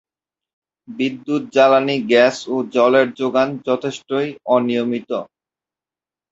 বিদ্যুৎ, জ্বালানী গ্যাস ও জলের জোগান যথেষ্ট অনিয়মিত।